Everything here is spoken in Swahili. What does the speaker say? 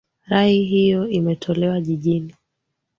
Rai hiyo imetolewa jijini